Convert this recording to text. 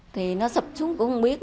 thì nó sập trúng cũng không biết